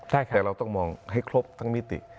แต่เราต้องมองให้ครบทั้งมิติ